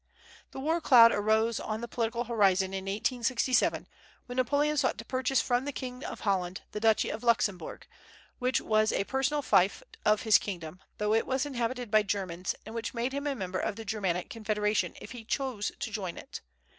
The war cloud arose on the political horizon in 1867, when Napoleon sought to purchase from the king of Holland the Duchy of Luxemburg, which was a personal fief of his kingdom, though it was inhabited by Germans, and which made him a member of the Germanic Confederation if he chose to join it.